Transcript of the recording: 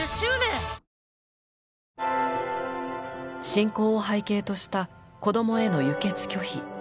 信仰を背景とした子供への輸血拒否。